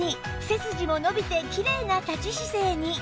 背筋も伸びてきれいな立ち姿勢に